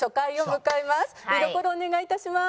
見どころをお願い致します。